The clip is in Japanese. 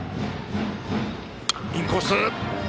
インコース！